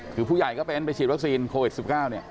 คือผู้ใหญ่ก็เป็นไปฉีดวัคซีนโควิด๑๙เนี่ย